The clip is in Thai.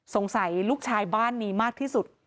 สงสัยลูกชายบ้านนี้มากที่สุด